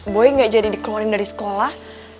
boy gak jadi dikeluarin dari sekolah